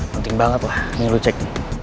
penting banget lah ini lo cek